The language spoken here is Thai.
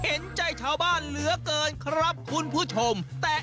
เห็นใจชาวบ้านเหลือเกินครับคุณผู้ชมแต่